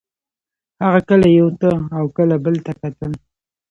هغه کله یو ته او کله بل ته کتل